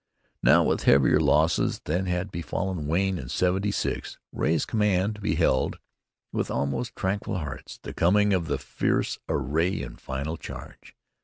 Now, with heavier losses than had befallen Wayne in '76, Ray's command beheld with almost tranquil hearts the coming of the fierce array in final charge.